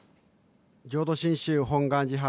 ・浄土真宗本願寺派